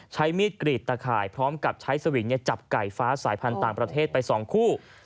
ใช้มีดกรีดตะข่ายพร้อมกับใช้สวิงจับไก่ฟ้าสายพันธุ์ต่างประเทศไป๒คู่